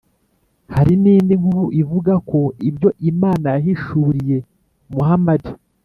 hari n’indi nkuru ivuga ko ibyo imana yahishuriye muhamadi,